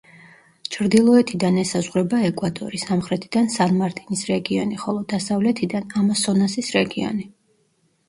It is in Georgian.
ჩრდილოეთიდან ესაზღვრება ეკვადორი, სამხრეთიდან სან-მარტინის რეგიონი, ხოლო დასავლეთიდან ამასონასის რეგიონი.